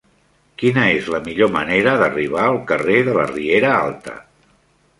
Quina és la millor manera d'arribar al carrer de la Riera Alta?